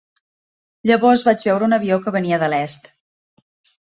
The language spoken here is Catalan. Llavors vaig veure un avió que venia de l'est.